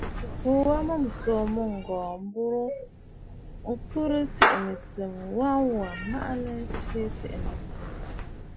À kɨ kuu wa a mûm ǹsòò mɨ̂ŋgɔ̀ɔ̀ m̀burə ŋkhɨrə tsiʼì mɨ̀tsɨm, ŋwa wà maʼanə a nsyɛ tiʼì nɨ àdì.